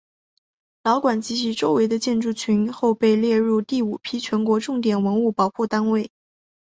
老馆及其周围的建筑群后被列入第五批全国重点文物保护单位。